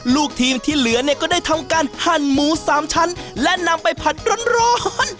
ลูกทีมที่เหลือเนี่ยก็ได้ทำการหั่นหมูสามชั้นและนำไปผัดร้อน